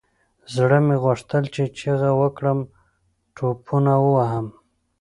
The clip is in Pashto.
زړه مې غوښتل چې چيغه وكړم ټوپونه ووهم.